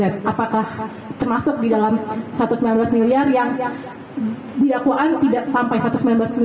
apakah termasuk di dalam satu ratus sembilan belas miliar yang didakwaan tidak sampai satu ratus sembilan belas miliar